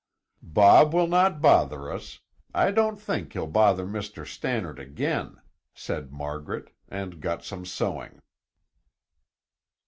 "Bob will not bother us; I don't think he'll bother Mr. Stannard again," said Margaret and got some sewing.